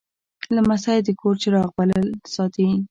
لمسی د کور چراغ بل ساتي.